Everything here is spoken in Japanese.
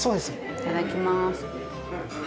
いただきます。